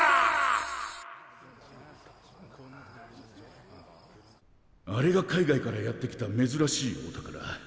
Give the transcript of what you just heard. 心の中あれが海外からやって来ためずらしいお宝。